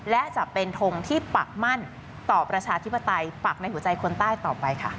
และจะเป็นทงที่ปักมั่นต่อประชาธิปไตยปักในหัวใจคนใต้ต่อไปค่ะ